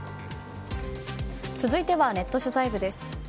続いてはネット取材部です。